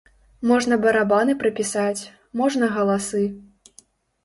Можна барабаны прапісаць, можна галасы.